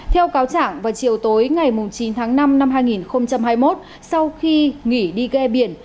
theo cáo chẳng vào chiều tối ngày chín tháng năm năm hai nghìn hai mươi một sau khi nghỉ đi ghe biển